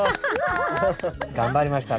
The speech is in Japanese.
頑張りましたね。